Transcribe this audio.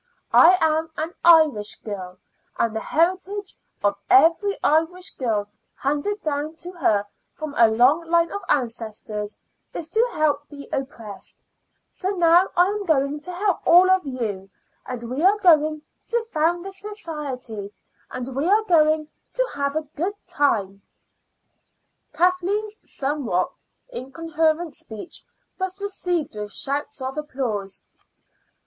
I am an Irish girl, and the heritage of every Irish girl, handed down to her from a long line of ancestors, is to help the oppressed,' So now I am going to help all of you, and we are going to found this society, and we are going to have a good time." Kathleen's somewhat incoherent speech was received with shouts of applause.